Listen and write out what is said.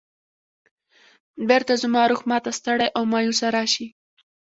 بېرته زما روح ما ته ستړی او مایوسه راشي.